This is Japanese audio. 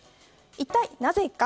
一体なぜか。